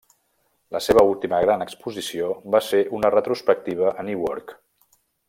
La seva última gran exposició va ser una retrospectiva a Newark.